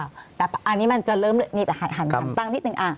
อันนี้มันจะเริ่มหันตังนิดนึง